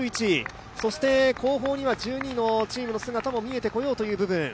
後方には１２位のチームの姿が見えてこようという部分。